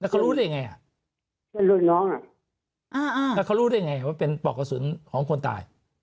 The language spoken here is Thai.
แล้วเขารู้ได้ยังไงเป็นรุ่นน้องอ่ะอ่าอ่าแล้วเขารู้ได้ยังไงว่าเป็นป่อกระสุนของคนตาย